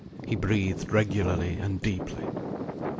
He breathed regularly and deeply.